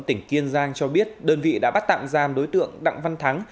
tỉnh kiên giang cho biết đơn vị đã bắt tạm giam đối tượng đặng văn thắng